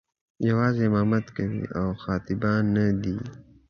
یوازې امامت کوي او خطیبان نه دي.